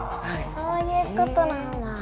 そういうことなんだ。